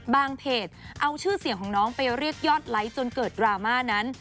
เพจเอาชื่อเสียงของน้องไปเรียกยอดไลค์จนเกิดดราม่านั้น